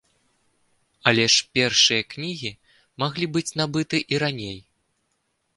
Але ж першыя кнігі маглі быць набыты і раней.